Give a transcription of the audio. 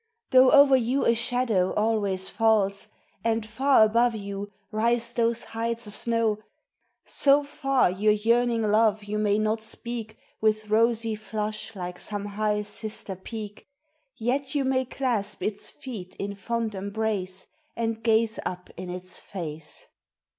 Though over you a shadow always falls, And far above you rise those heights of snow, So far, your yearning love you may not speak With rosy flush like some high sister peak, Yet you may clasp its feet in fond embrace, And gaze up in its face.